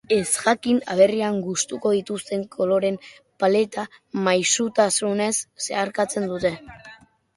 Ezjakin aberrian gustuko dituzten koloreen paleta maisutasunez zeharkatzen dute.